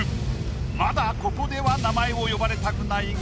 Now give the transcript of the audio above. まだここでは名前を呼ばれたくないが。